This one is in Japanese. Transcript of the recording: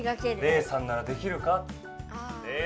「レイさんならできるか？」。